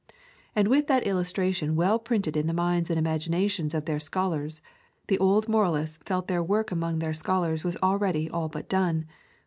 And with that illustration well printed in the minds and imaginations of their scholars the old moralists felt their work among their scholars was already all but done.